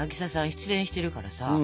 失恋してるからさ。